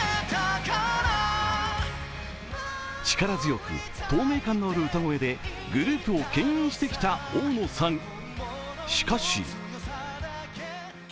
力強く、透明感のある歌声でグループを牽引してきた大野さん